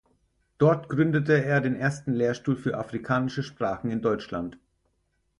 Dort gründete er den ersten Lehrstuhl für afrikanische Sprachen in Deutschland.